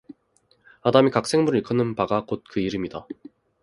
아담이 각 생물을 일컫는 바가 곧 그 이름이라